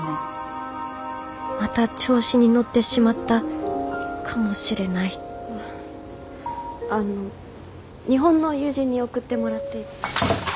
また調子に乗ってしまったかもしれないあの日本の友人に送ってもらって。